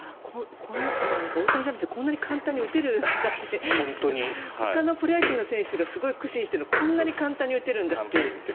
大谷さんを見てるとこんなに簡単に打てるんだってほかのプロ野球の選手がすごい苦心しているのにこんなに簡単に打てるんだという。